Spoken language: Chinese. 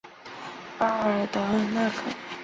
巴尔德纳克。